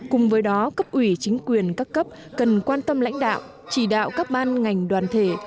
cùng với đó cấp ủy chính quyền các cấp cần quan tâm lãnh đạo chỉ đạo các ban ngành đoàn thể